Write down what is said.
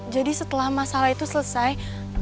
jadi setelah masalah itu selesai